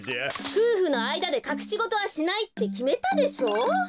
ふうふのあいだでかくしごとはしないってきめたでしょ？